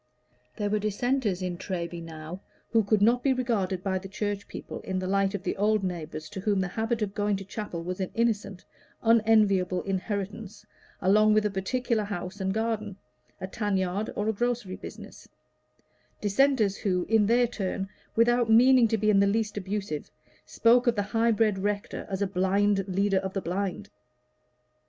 There were Dissenters in Treby now who could not be regarded by the Church people in the light of old neighbors to whom the habit of going to chapel was an innocent, unenviable inheritance along with a particular house and garden, a tan yard, or a grocery business Dissenters who, in their turn, without meaning to be in the least abusive, spoke of the high bred rector as a blind leader of the blind.